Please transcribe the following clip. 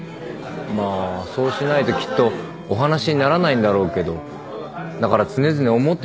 まあそうしないときっとお話にならないんだろうけどだから常々思ってたんです。